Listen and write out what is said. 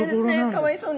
かわいそうに。